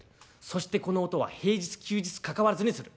そしてこの音は平日休日かかわらずにする。